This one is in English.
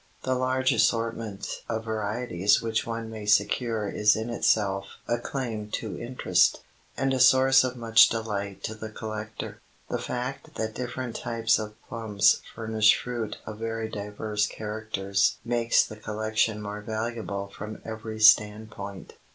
The large assortment of varieties which one may secure is in itself a claim to interest, and a source of much delight to the collector. The fact that different types of plums furnish fruit of very diverse characters makes the collection more valuable from every standpoint.